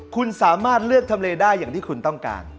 คุณสามารถเลือกทำเลได้อย่างที่คุณต้องการ